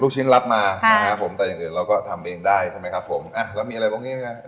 ลูกชิ้นรับมาค่ะแต่อย่างเดียวเราก็ทำเองได้ทำเองครับผมอ่ะแล้วมีอะไรตรงนี้ไหมครับ